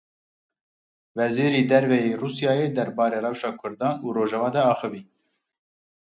Wezêrî Derve yê Rûsyayê derbarê rewşa Kurdan û Rojava de axivî.